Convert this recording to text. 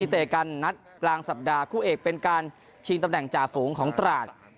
เตะกันนัดกลางสัปดาห์คู่เอกเป็นการชิงตำแหน่งจ่าฝูงของตราด